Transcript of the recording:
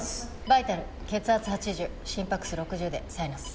バイタル血圧８０心拍数６０でサイナス。